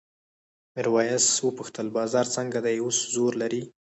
میرويس وپوښتل بازار څنګه دی اوس زور لري؟